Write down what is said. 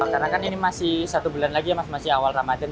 karena kan ini masih satu bulan lagi ya mas masih awal ramadhan